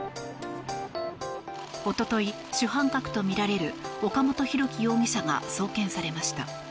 一昨日、主犯格とみられる岡本大樹容疑者が送検されました。